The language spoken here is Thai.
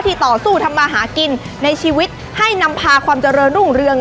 ต่อสู้ทำมาหากินในชีวิตให้นำพาความเจริญรุ่งเรือง